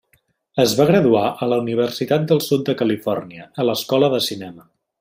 Es va graduar a la Universitat del Sud de Califòrnia a l'Escola de Cinema.